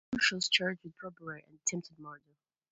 Bush was charged with robbery and attempted murder.